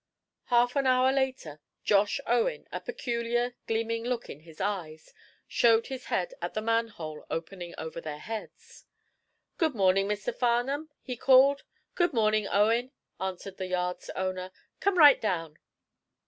Half an hour later Josh Owen, a peculiar, gleaming look in his eyes, showed his head at the manhole opening over their heads. "Good morning, Mr. Farnum," he called. "Good morning, Owen," answered the yard's owner. "Come right down."